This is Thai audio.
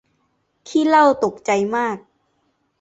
ขี้เหล้าตกใจมาก